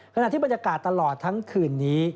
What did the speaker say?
ขณะที่บรรยากาศตลอดทั้งคืนนี้